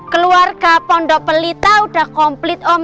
keluarga pondok pelita udah komplit om